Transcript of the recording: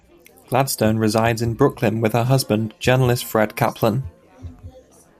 Gladstone resides in Brooklyn with her husband, journalist Fred Kaplan.